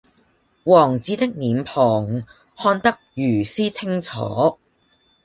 王子的臉龐看得如斯清楚